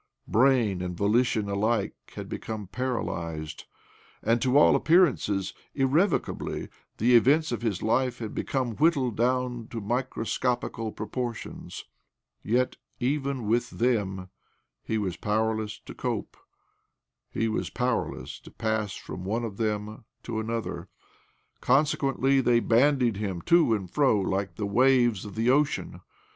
Brain OBLOMOV 71 and volition alike had become paralysed, and, to all appearances, irrevocably— the events of his life had become whittled down to microscopical proportions. Yet even with them he was powerless to cope— he was powerless to pass from one of them to lanother. Consequently they bandied him to and fro like the waves of the ocean.